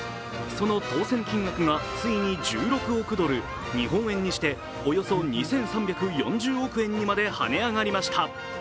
その当せん金額がついに１６億ドル、日本円にしておよそ２３４０億円までに跳ね上がりました。